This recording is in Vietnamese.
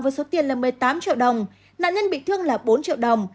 với số tiền là một mươi tám triệu đồng nạn nhân bị thương là bốn triệu đồng